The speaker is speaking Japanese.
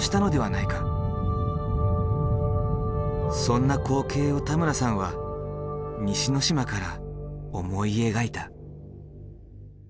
そんな光景を田村さんは西之島から思い描いた。